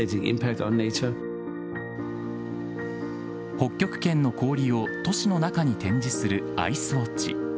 北極圏の氷を都市の中に展示するアイス・ウォッチ。